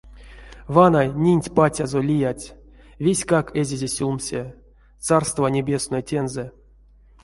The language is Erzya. Вана нинть пацязо лиядсь, вестькак эзизе сюлмсе, царства небесной тензэ.